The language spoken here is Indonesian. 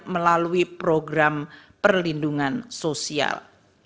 melalui program perlindungan sosial